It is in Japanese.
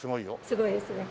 すごいですね。